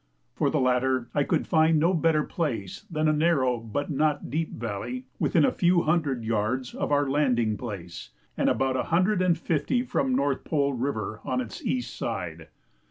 For the latter I could find no better place than a narrow but not deep valley within a few hundred yards of our landing place, and about a hundred and fifty from North Pole River on its east side.